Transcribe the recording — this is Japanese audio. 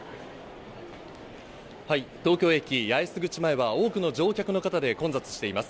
はい、東京駅八重洲口前は多くの乗客の方で混雑しています。